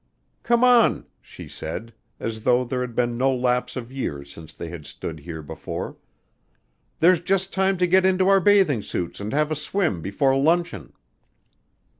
"Come on," she said, as though there had been no lapse of years since they had stood here before, "there's just time to get into our bathing suits and have a swim before luncheon."